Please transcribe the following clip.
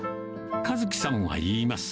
和樹さんは言います。